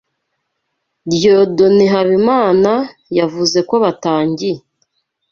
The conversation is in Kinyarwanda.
Dieudonne Habimana, yavuze ko batangiye